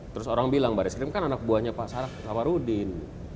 terus orang bilang baris krim kan anak buahnya pak sarak sama rudin